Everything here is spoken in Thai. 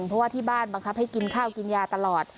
เพราะว่าที่บ้านบังคับให้กินข้าวกินยาตลอด